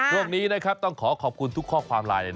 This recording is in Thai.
ช่วงนี้นะครับต้องขอขอบคุณทุกข้อความลายเลยนะ